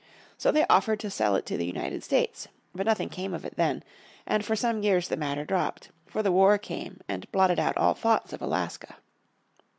So they offered to sell it to the United States. But nothing came of it then, and for some years the matter dropped, for the war came and blotted out all thoughts of Alaska.